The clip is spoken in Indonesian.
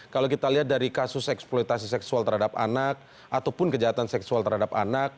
kalau kita lihat dari kasus eksploitasi seksual terhadap anak ataupun kejahatan seksual terhadap anak